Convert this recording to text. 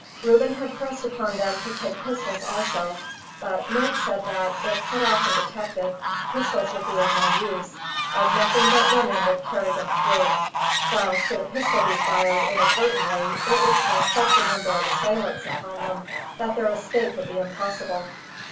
Reuben had pressed upon them to take pistols also; but Ned said that, if cut off and detected, pistols would be of no use, as nothing but running would carry them through; while should a pistol be fired inadvertently, it would call such a number of assailants upon them that their escape would be impossible.